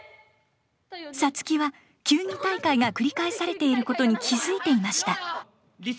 サツキは球技大会が繰り返されていることに気付いていました。